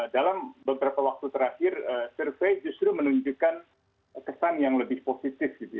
dalam beberapa waktu terakhir survei justru menunjukkan kesan yang lebih positif